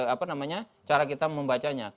apa namanya cara kita membacanya